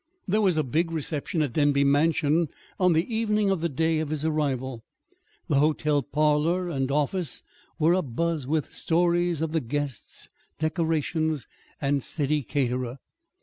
There was a big reception at Denby Mansion on the evening of the day of his arrival. The hotel parlor and office were abuzz with stories of the guests, decorations, and city caterer.